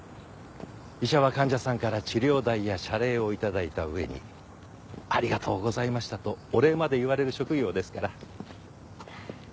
医者は患者さんから治療代や謝礼を頂いた上に「ありがとうございました」とお礼まで言われる職業ですから。